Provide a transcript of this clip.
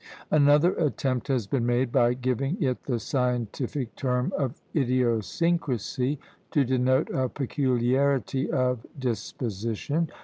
Another attempt has been made, by giving it the scientific term of idiosyncrasy, to denote a peculiarity of disposition.